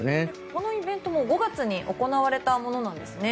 このイベントも５月に行われたんですね。